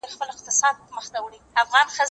هغه څوک چي بوټونه پاکوي روغ اوسي؟